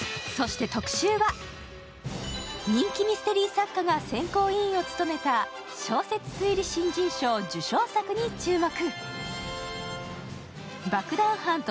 人気ミステリー作家が選考委員を務めた小説推理新人賞受賞作に注目。